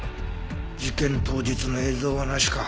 事件当日の映像はなしか。